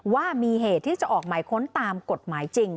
ว่ามีเหตุที่จะออกหมายค้นตามกฎหมายจริง